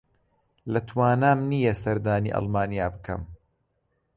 لە توانام نییە سەردانی ئەڵمانیا بکەم.